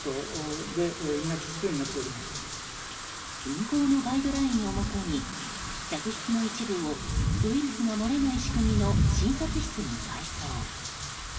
運航のガイドラインをもとに客室の一部をウイルスが漏れない仕組みの診察室に改装。